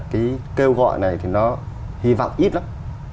cái kêu gọi này thì nó hy vọng ít lắm